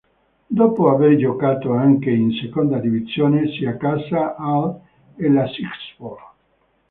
Dopo aver giocato anche in seconda divisione, si accasa all'Elazığspor.